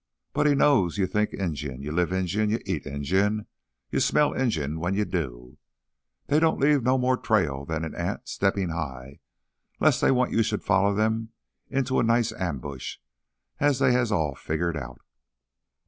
But he knows you think Injun, you live Injun, you eat Injun, you smell Injun when you do. They don't leave no more trail than an ant steppin' high, 'less they want you should foller them into a nice ambush as they has all figgered out.